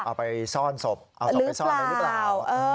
เอาไปซ่อนศพหรือเปล่า